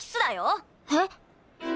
えっ？